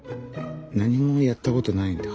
何もやったことないんだ。